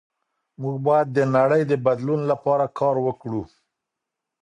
موږ باید د نړۍ د بدلون لپاره کار وکړو.